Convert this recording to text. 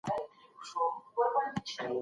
د اتحاد ږغ یې